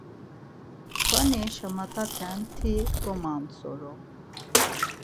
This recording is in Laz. Tkvani şamataten ti gomantsoru.